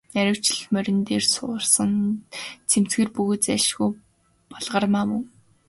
Нарийвчилбал, морин дээр суусан нь цэмцгэр бөгөөд зайлшгүй Балгармаа мөн.